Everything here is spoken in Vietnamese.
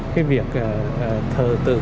cái việc thờ tự